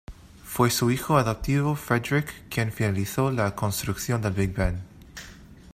Fue su hijo adoptivo Frederick quien finalizó la construcción del Big Ben.